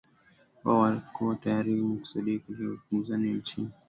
wao hawakuwa tayari mkusaidia katika kupata ukimbizi ambao anauomba bwana haidal huko nchini